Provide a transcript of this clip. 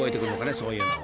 そういうの］